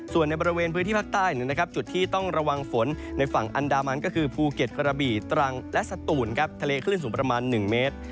ส่วนในบริเวณพื้นที่ภาคใต้จุดที่ต้องระวังฝนในฝั่งอันดามันก็คือภูเก็ตกระบี่ตรังและสตูนครับทะเลคลื่นสูงประมาณ๑เมตร